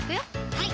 はい